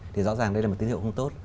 thì rõ ràng đây là một tín hiệu không tốt